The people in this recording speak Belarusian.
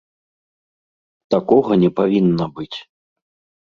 Такога не павінна быць.